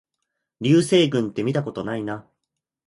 流星群ってみたことないな